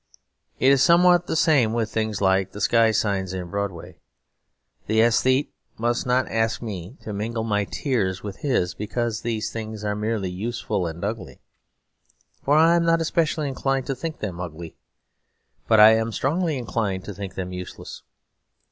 It is somewhat the same with things like the sky signs in Broadway. The aesthete must not ask me to mingle my tears with his, because these things are merely useful and ugly. For I am not specially inclined to think them ugly; but I am strongly inclined to think them useless.